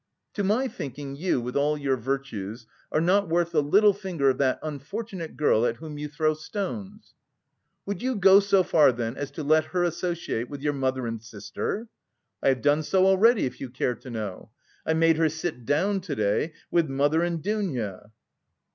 "To my thinking, you, with all your virtues, are not worth the little finger of that unfortunate girl at whom you throw stones." "Would you go so far then as to let her associate with your mother and sister?" "I have done so already, if you care to know. I made her sit down to day with mother and Dounia."